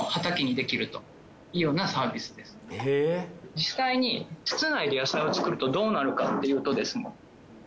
実際に室内で野菜を作るとどうなるかっていうとですね